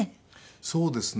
そうですね。